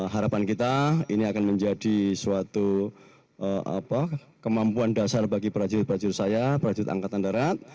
harapan kita ini akan menjadi suatu kemampuan dasar bagi para jurus jurus saya para jurus angkatan darat